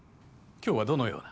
今日はどのような？